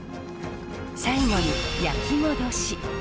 最後に焼きもどし。